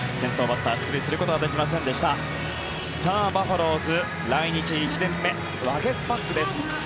バファローズ来日１年目、ワゲスパックです。